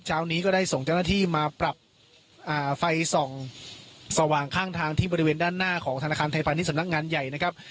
นี้ก็ได้ส่งเจ้าหน้าที่มาปรับไฟส่องสว่างข้างทางที่บริเวณด้านหน้าของธนาคารไทยพาณิชสำนักงานใหญ่นะครับ